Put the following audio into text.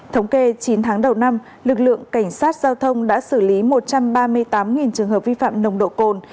thống kê chín tháng đầu năm lực lượng cảnh sát giao thông đã xử lý một trăm ba mươi tám trường hợp vi phạm nồng độ cồn